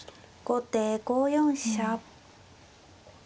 後手５四飛車。